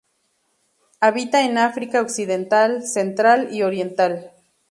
Habita en África Occidental, Central y Oriental.